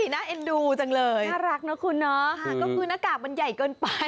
น่าเอ็นดูจังเลยน่ารักนะคุณเนาะก็คือหน้ากากมันใหญ่เกินไป